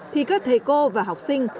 thì các thầy cô và học sinh